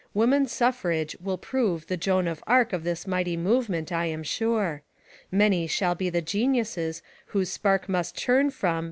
Woman suffrage will prove the "Joan of Arc" of this mighty movement, I am sure. Many shall be the genius' whose spark must turn from